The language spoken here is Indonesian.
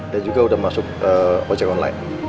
dan juga udah masuk ojek online